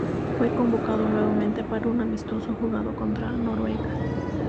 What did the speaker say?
Fue convocado nuevamente para un amistoso jugado contra Noruega.